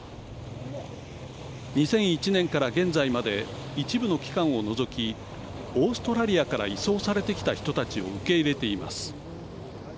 ２００１年から現在まで一部の期間を除きオーストラリアから移送されてきた人たちを受け入れています。